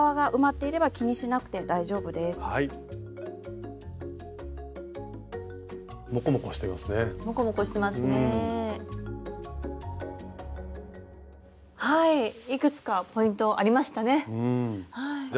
いくつかポイントありましたね。